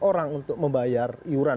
orang untuk membayar iuran